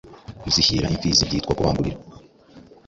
Kuzishyira imfizi byitwa Kubangurira